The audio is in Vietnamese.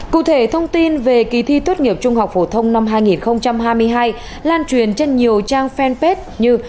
cụ thể thông tin về kỳ thi tốt nghiệp trung học phổ thông năm hai nghìn hai mươi hai lan truyền trên nhiều trang fanpage như